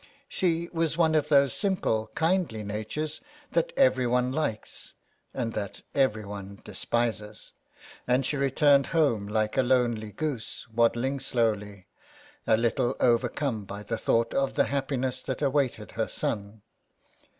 She was one of those simple, kindly natures that every one likes and that everyone despises, and she returned home like a lonely goose, waddling slowly, a little overcome by the thought of the happiness that awaited her son.